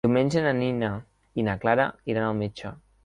Diumenge na Nina i na Clara iran al metge.